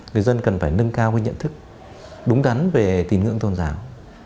người dân cần phải nâng cao cái nhận thức đúng đắn về tín ngưỡng tôn giáo